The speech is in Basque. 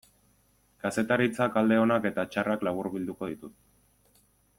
Kazetaritzak alde onak eta txarrak laburbilduko ditut.